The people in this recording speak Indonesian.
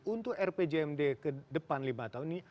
untuk rpjmd ke depan lima tahun ini